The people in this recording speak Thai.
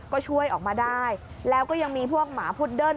ก็ช่วยออกมาได้แล้วก็ยังมีพวกหมาพุดเดิ้ล